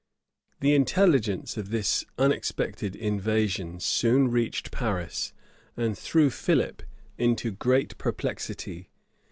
The intelligence of this unexpected invasion soon reached Paris, and threw Philip into great perplexity.